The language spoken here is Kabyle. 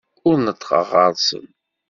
Ur neṭṭqeɣ ɣer-sen.